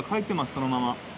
そのまま。